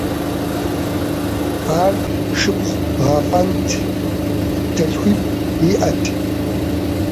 Ар шыпхъу гъэфӏэнт, дэлъхуипӏ иӏэт.